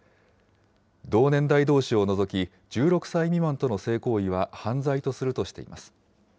同年代どうしを除き、１６歳未満との性行為は犯罪とするとしています。